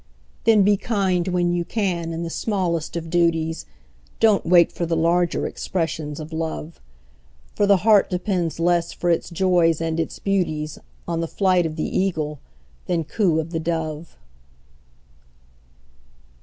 Then be kind when you can in the smallest of duties, Don't wait for the larger expressions of Love; For the heart depends less for its joys and its beauties On the flight of the Eagle than coo of the Dove.